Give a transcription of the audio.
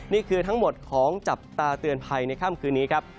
นี่คือทั้งหมดของจับตาเตือนภัยในค่ำคืนนี้ครับ